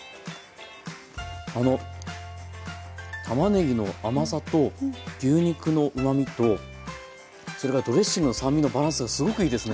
あのたまねぎの甘さと牛肉のうまみとそれからドレッシングの酸味のバランスがすごくいいですね。